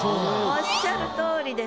おっしゃるとおりです。